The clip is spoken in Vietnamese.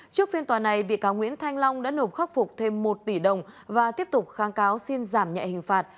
trước phiên tòa này bị cáo nguyễn thanh long đã nộp khắc phục thêm một tỷ đồng và tiếp tục kháng cáo xin giảm nhẹ hình phạt